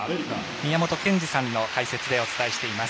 宮本賢二さんの解説でお伝えしています。